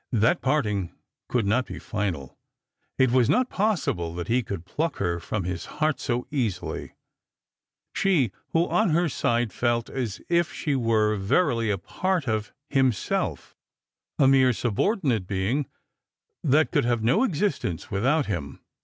That parting could not be final. It was not possible that he could pluck her from bis heart so easily ; she, who on her side felt as "if she were verily a part of himself, a mere subordinate being that could have no existence without him.